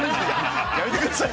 ◆やめてください。